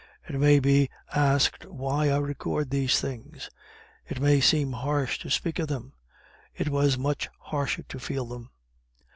It may be asked why I record these things? It may seem harsh to speak of them; it was much harsher to feel them.